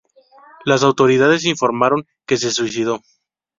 Las autoridades informaron que se suicidó.